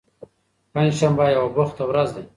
پنجشنبه یوه بوخته ورځ ده.